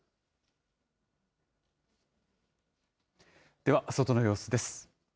では外の様子です。